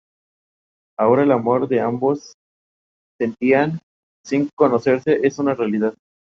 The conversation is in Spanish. Pero esta hipótesis no fue aceptada de inmediato en el momento.